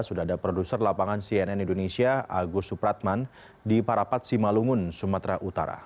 sudah ada produser lapangan cnn indonesia agus supratman di parapat simalungun sumatera utara